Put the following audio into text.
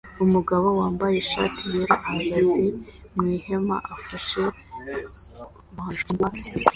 Umugabo wambaye ishati yera ahagaze mwihema afashe banjo cyangwa gitari